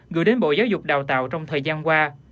gửi đến bộ giáo dục đào tạo trong thời gian qua